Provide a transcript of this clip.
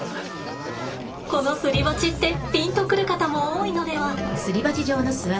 このすり鉢ってピンと来る方も多いのでは？